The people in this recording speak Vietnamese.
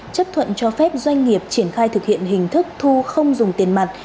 chấp thuận cho phép doanh nghiệp triển khai thực hiện hình thức thu không dùng tiền mặt